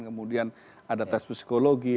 kemudian ada tes psikologi